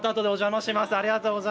またあとでお邪魔します。